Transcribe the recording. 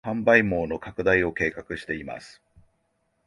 販売網の拡大を計画しています